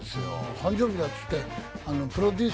誕生日だっつって。